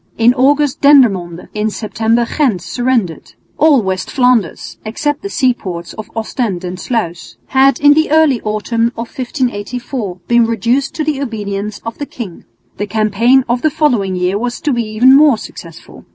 In August Dendermonde, in September Ghent, surrendered. All West Flanders, except the sea ports of Ostend and Sluis, had in the early autumn of 1584 been reduced to the obedience of the king. The campaign of the following year was to be even more successful.